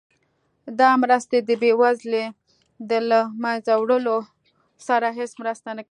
دا مرستې د بیوزلۍ د له مینځه وړلو سره هیڅ مرسته نه کوي.